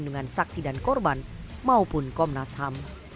perlindungan saksi dan korban maupun komnas ham